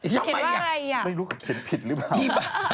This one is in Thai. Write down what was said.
อีกทีฉันไม่รู้แบบเขียนผิดหรือเปล่า